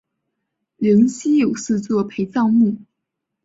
灵犀有四座陪葬墓。